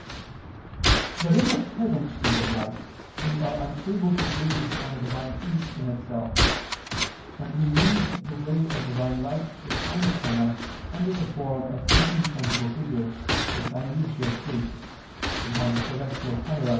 But in the present state of life, we are unable to gaze on the Divine Truth in Itself, and we need the ray of Divine light to shine upon us under the form of certain sensible figures, as Dionysius states (Coel. Hier.